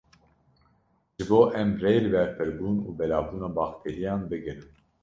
Ji bo em rê li ber pirbûn û belavbûna bakterîyan bigirin.